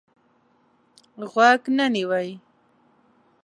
غوږ نه نیوی.